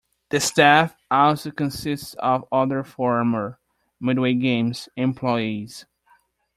The staff also consists of other former "Midway Games" employees.